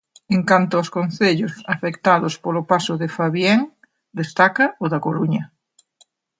En canto aos concellos afectados polo paso de 'Fabien', destaca o da Coruña.